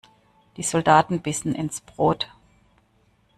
Die Soldaten bissen ins Brot.